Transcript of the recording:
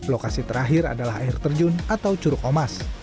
lokasi terakhir adalah air terjun atau curug omas